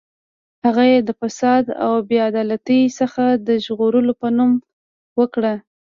هغه یې د فساد او بې عدالتۍ څخه د ژغورلو په نوم وکړ.